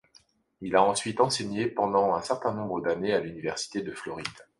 Il a ensuite enseigné pendant un certain nombre d'années à l'université de Floride.